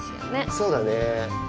そうだね。